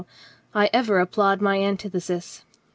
"I ever applaud my antithesis.